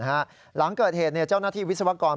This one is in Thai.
หลังเกิดเหตุเจ้าหน้าที่วิศวกร